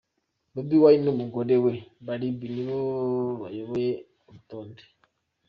Bobi Wine n'umugore we Barbie nibo bayoboye urutonde.